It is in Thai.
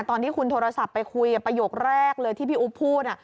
ตอนที่คุณโทรศัพท์ไปคุยประโยคแรกเลยที่พี่อุ๊บพูด